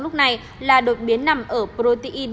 lúc này là đột biến nằm ở protein